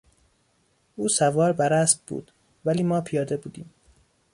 او سوار بر اسب بود ولی ما پیاده بودیم.